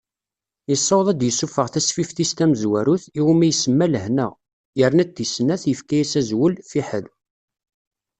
Yessaweḍ ad d-yessufeɣ tasfift-is tamezwarut, iwumi isemma Lehna, yerna-d tis snat, yefka-as azwel Fiḥel.